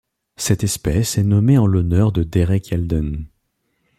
Cette espèce est nommée en l'honneur de Derek Yalden.